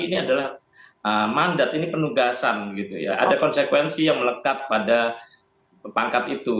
ini adalah mandat ini penugasan gitu ya ada konsekuensi yang melekat pada pangkat itu